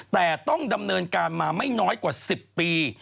แต่ต้องดำเนินการมาไม่น้อยกว่า๑๐ปี